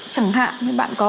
chẳng hạn như bạn có